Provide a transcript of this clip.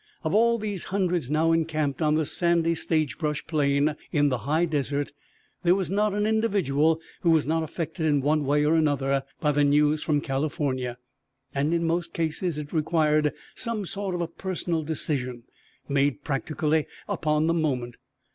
Of all these hundreds now encamped on the sandy sagebrush plain in the high desert there was not an individual who was not affected in one way or another by the news from California, and in most cases it required some sort of a personal decision, made practically upon the moment.